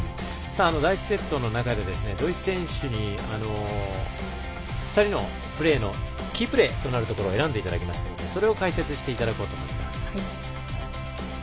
第１セットの中で土居選手に２人のプレーのキープレーとなるところを選んでいただきましたのでそれを解説していただこうと思います。